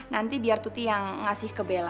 nanti biar tuti yang ngasih ke bella